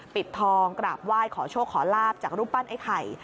ปิดทองกราบไหว้ขอโชคขอลาบจากรูปปั้นไอ้ไข่